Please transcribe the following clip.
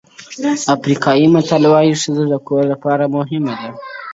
بس داسې یو پیکر چې وي زیبا ګڼلی کیږي